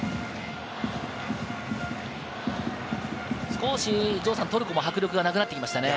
少しトルコも迫力がなくなってきましたね。